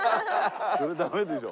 それダメでしょ。